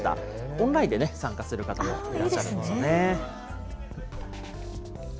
オンラインで参加する方もいらっしゃるんですね。